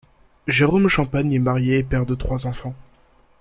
Jérôme Champagne est marié et père de trois enfants.